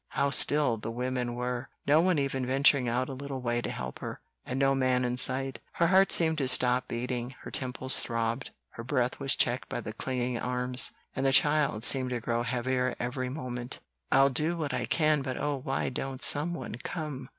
how still the women were, not one even venturing out a little way to help her, and no man in sight! Her heart seemed to stop beating, her temples throbbed, her breath was checked by the clinging arms, and the child, seemed to grow heavier every moment. "I'll do what I can, but, oh, why don't some one come?"